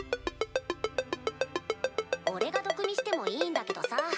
俺が毒味してもいいんだけどさ。